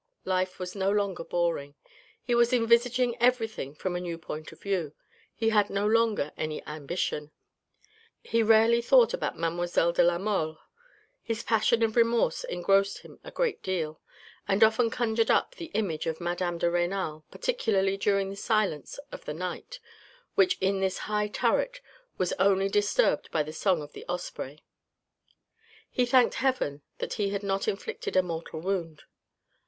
Life was no longer boring, he was envisaging everything from a new point of view, he had no longer any ambition. He rarely thought about mademoiselle de la Mole. His passion of remorse engrossed him a great deal, and often conjured up the image of madame de Renal, particularly during the silence of the night, which in this high turret was only disturbed by the song of the osprey. He thanked heaven that he had not inflicted a mortal wound.